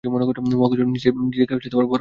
নিজের বড় কিছু ভাবিস?